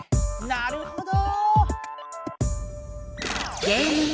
なるほど！